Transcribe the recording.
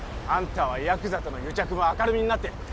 あんたはヤクザとの癒着も明るみになって